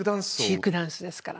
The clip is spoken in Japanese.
チークダンスですから。